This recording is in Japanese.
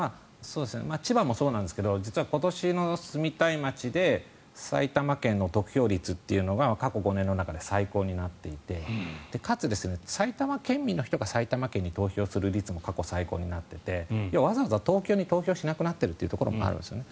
千葉もそうですが実は、今年の住みたい街で埼玉県の得票率が過去５年の中で最高になっていてかつ、埼玉県民の人が埼玉県に投票する人も過去最高になっていてわざわざ東京に投票しなくなっていることもあるんですね。